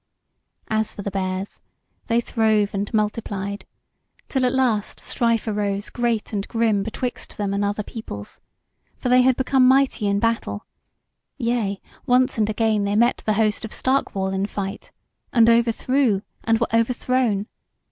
As for the Bears, they throve and multiplied; till at last strife arose great and grim betwixt them and other peoples; for they had become mighty in battle: yea, once and again they met the host of Stark wall in fight, and overthrew and were overthrown.